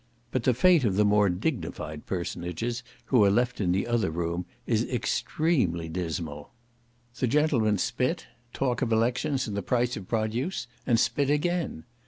But the fate of the more dignified personages, who are left in the other room, is extremely dismal. The gentlemen spit, talk of elections and the price of produce, and spit again.